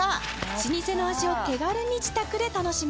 老舗の味を手軽に自宅で楽しめます。